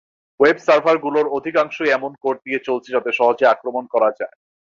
Web সার্ভারগুলোর অধিকাংশই এমন কোড দিয়ে চলছে যাতে সহজে আক্রমণ করা যায়।